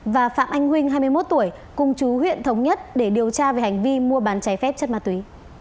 và phạm anh huynh hai mươi một tuổi cùng chú huyện thống nhất để điều tra về hành vi mua bán trái phép chất ma túy